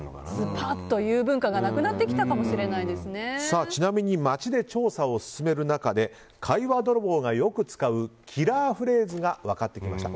スパッと言う文化がなくなってきたかもちなみに街で調査を進める中で会話泥棒がよく使うキラーフレーズが分かってきました。